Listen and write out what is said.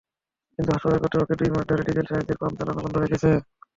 কিন্তু হাসপাতাল কর্তৃপক্ষ দুই মাস ধরে ডিজেলের সাহায্যে পাম্প চালানো বন্ধ রেখেছে।